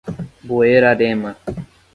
Buerarema